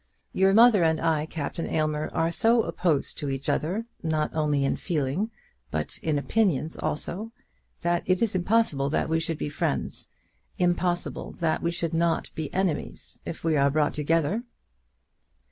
Your mother and I, Captain Aylmer, are so opposed to each other, not only in feeling, but in opinions also, that it is impossible that we should be friends; impossible that we should not be enemies if we are brought together."